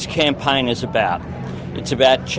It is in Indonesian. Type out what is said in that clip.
membagi cerita bahwa kita bisaot